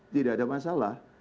tidak ada masalah